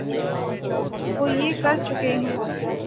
وہ یہ کر چکے ہیں۔